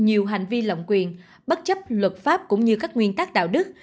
nhiều hành vi lộng quyền bất chấp luật pháp cũng như các nguyên tắc đạo đức